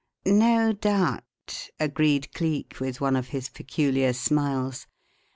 "No doubt," agreed Cleek, with one of his peculiar smiles.